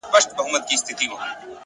لوړ همت د ستونزو قد ټیټوي!